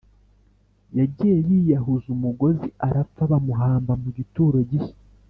Yagiye yiyahuza umugozi arapfa bamuhamba mu gituro gishya